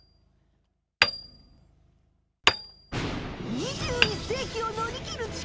２１世きを乗り切る力。